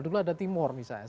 dulu ada timor misalnya